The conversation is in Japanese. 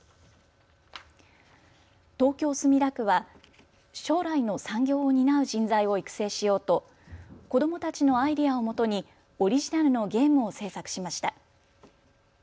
東京墨田区は将来の産業を担う人材を育成しようと子どもたちのアイデアをもとにオリジナルのゲームを製作しました。